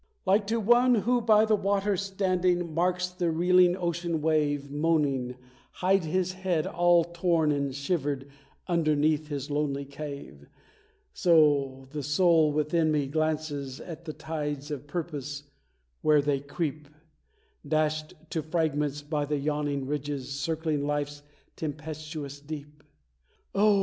Like to one who, by the waters standing, marks the reeling ocean wave Moaning, hide his head all torn and shivered underneath his lonely cave, So the soul within me glances at the tides of Purpose where they creep, Dashed to fragments by the yawning ridges circling Life's tempestuous Deep! Oh!